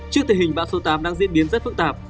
trước tình hình bão số tám đang diễn biến rất phức tạp